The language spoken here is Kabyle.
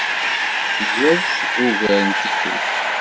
Tgiḍ-t ugar n tikelt?